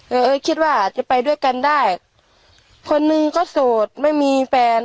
เออเออคิดว่าอาจจะไปด้วยกันได้คนหนึ่งก็โสดไม่มีแฟน